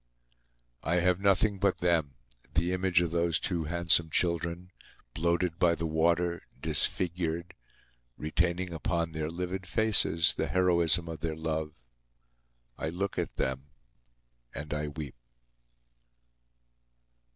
I have nothing but them, the image of those two handsome children; bloated by the water, disfigured, retaining upon their livid faces the heroism of their love. I look at them, and I weep.